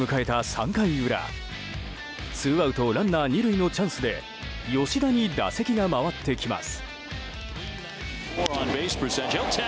３回裏ツーアウトランナー２塁のチャンスで吉田に打席が回ってきます。